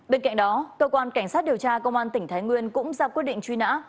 bên cạnh đó cơ quan cảnh sát điều tra công an tỉnh thái nguyên cũng ra quyết định truy nã